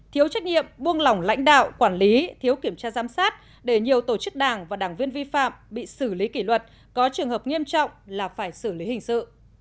thiếu trách nhiệm buông lỏng lãnh đạo quản lý thiếu kiểm tra giám sát để nhiều tổ chức đảng và đảng viên vi phạm bị xử lý kỷ luật có trường hợp nghiêm trọng là phải xử lý hình sự